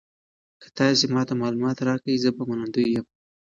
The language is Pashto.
که تاسي ما ته معلومات راکړئ زه به منندوی یم.